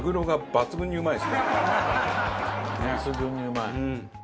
抜群にうまい。